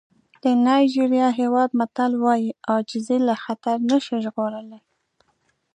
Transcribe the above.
د نایجېریا هېواد متل وایي عاجزي له خطر نه شي ژغورلی.